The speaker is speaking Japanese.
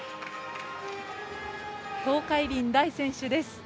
東海林大選手です。